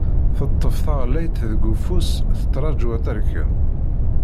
Teṭṭef taɣellayt deg ufus, tettraju ad terkem.